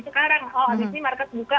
sekarang oh abis ini market buka